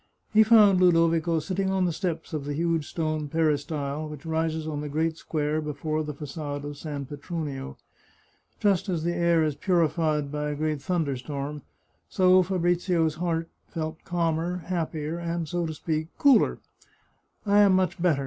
He found Ludovico sitting on the steps of the huge stone peristyle which rises on the great square before the fa9ade of San Petronio. Just as the air is purified by a great thunder storm, so Fabrizio's heart felt calmer, happier, and, so to speak, cooler. " I am much better.